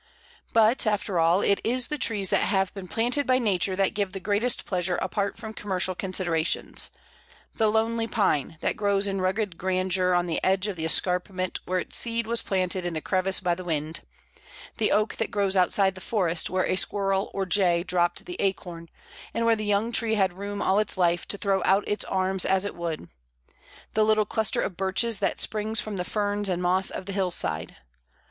But, after all, it is the trees that have been planted by Nature that give the greatest pleasure apart from commercial considerations the lonely Pine, that grows in rugged grandeur on the edge of the escarpment where its seed was planted in the crevice by the wind; the Oak that grows outside the forest, where a squirrel or a jay dropped the acorn, and where the young tree had room all its life to throw out its arms as it would; the little cluster of Birches that springs from the ferns and moss of the hillside.